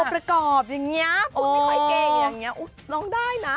ประกอบอย่างนี้พูดไม่ค่อยเก่งอย่างนี้ร้องได้นะ